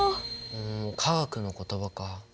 ん化学の言葉か。